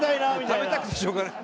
食べたくてしょうがない。